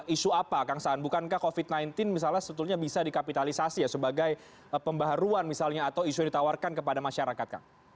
isu apa kang saan bukankah covid sembilan belas bisa dikapitalisasi sebagai pembaharuan misalnya atau isu yang ditawarkan kepada masyarakat